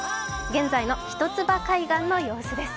現在の一ツ葉海岸の様子です。